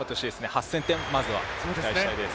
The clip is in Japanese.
８０００点、まずは期待したいです。